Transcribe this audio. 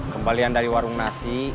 kembalian dari warung nasi